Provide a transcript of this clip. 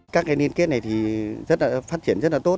các cái liên kết này thì phát triển rất là tốt